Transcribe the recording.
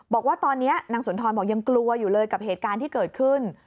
บอกว่าตอนนี้นางสุนทรบอกยังกลัวอยู่เลยกับเหตุการณ์ที่เกิดขึ้น